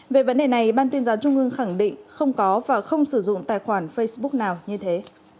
về vấn đề này ban tuyên giáo trung ương khẳng định không có và không sử dụng tài khoản facebook nào như thế